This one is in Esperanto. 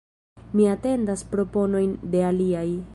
Mi atendas proponojn de aliaj.